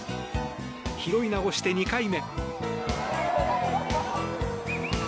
拾い直して、２回目。